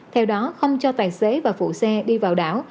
theo đó không cho tài xế và phụ xe đi vào đảo